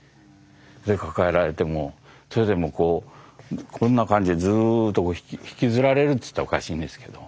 抱えられてそれでこんな感じでずっと引きずられるって言ったらおかしいんですけど。